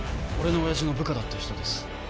俺の親父の部下だった人です